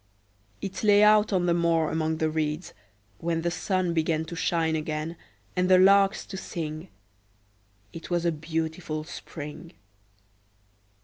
It lay out on the moor among the reeds, when the sun began to shine again and the larks to sing: it was a beautiful spring.